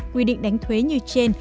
quy định đánh thuế như trên